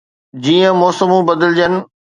جيئن موسمون بدلجن